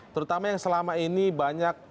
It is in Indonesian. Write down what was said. terutama yang selama ini banyak